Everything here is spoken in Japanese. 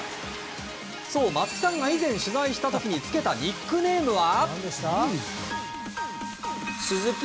松木さんが以前取材した時につけたニックネームは。